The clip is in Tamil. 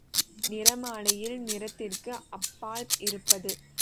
நிற மாலையில் நிறத்திற்கு அப்பால் இருப்பது.